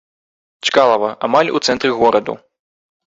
Чкалава, амаль у цэнтры гораду.